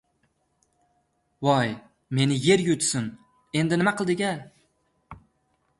Voy, meni yer yutsin! Endi nima qildik-a?